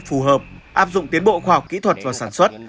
phù hợp áp dụng tiến bộ khoa học kỹ thuật và sản xuất